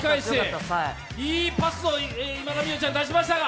いいパスを今田美桜ちゃん出しましたが。